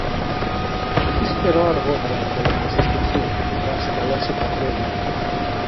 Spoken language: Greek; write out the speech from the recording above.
Έχεις καιρό αργότερα να πολεμήσεις και συ, όταν σε καλέσει η πατρίδα.